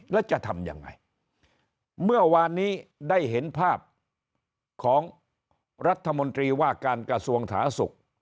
แล้วจะทำยังไงเมื่อวานนี้ได้เห็นภาพของรัฐมนตรีว่าการกระทรวงสาธารณสุข